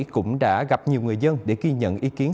cũng đã gặp nhiều người dân để ghi nhận ý kiến